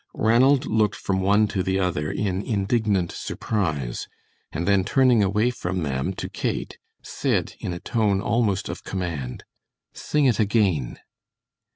Ranald looked from one to the other in indignant surprise, and then turning away from them to Kate, said, in a tone almost of command: "Sing it again."